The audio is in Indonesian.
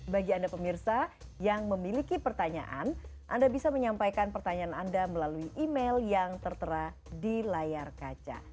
bagi anda pemirsa yang memiliki pertanyaan anda bisa menyampaikan pertanyaan anda melalui email yang tertera di layar kaca